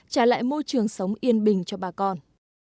trả lại môi trường sống yên bình cho bà con